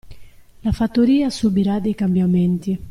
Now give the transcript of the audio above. La fattoria subirà dei cambiamenti.